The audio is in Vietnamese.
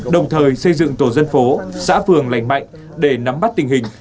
đồng thời xây dựng tổ dân phố xã phường lành mạnh để nắm bắt tình hình